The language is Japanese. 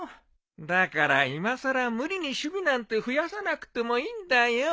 だから今さら無理に趣味なんて増やさなくてもいいんだよ。